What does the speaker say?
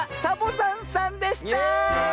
サボざんさんでした！